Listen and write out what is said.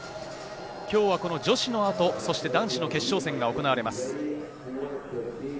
今日はこの女子の後、そして男子の決勝戦が行われます。